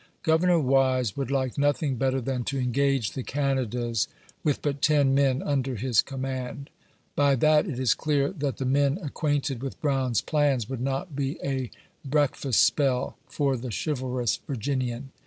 Governor Wise would like nothing better than to engage the Canadas, with but ten men under his command. By that it is clear that the men acquainted with Brown's plans would not be a "break fast spell " for the chivalrous Virginian.